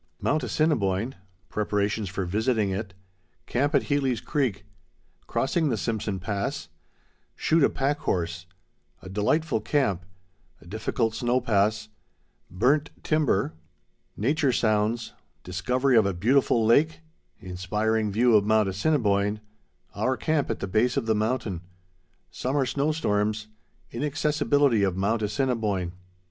_Mount Assiniboine—Preparations for Visiting it—Camp at Heely's Creek—Crossing the Simpson Pass—Shoot a Pack Horse—A Delightful Camp—A Difficult Snow Pass—Burnt Timber—Nature Sounds—Discovery of a Beautiful Lake—Inspiring View of Mount Assiniboine—Our Camp at the Base of the Mountain—Summer Snow Storms—Inaccessibility of Mount Assiniboine.